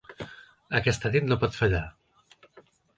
Aquesta nit no pot fallar.